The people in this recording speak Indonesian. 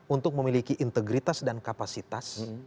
untuk memiliki integritas dan kapasitas